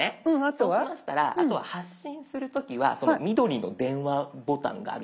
そうしましたらあとは発信する時は緑の電話ボタンがあるじゃないですか。